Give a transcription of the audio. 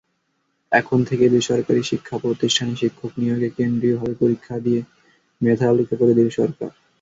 এখন থেকে বেসরকারি শিক্ষাপ্রতিষ্ঠানে শিক্ষক নিয়োগে কেন্দ্রীয়ভাবে পরীক্ষা নিয়ে মেধাতালিকা করে দেবে সরকার।